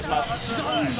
違うんだ。